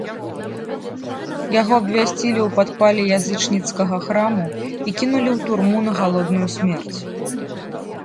Яго абвясцілі ў падпале язычніцкага храму і кінулі ў турму на галодную смерць.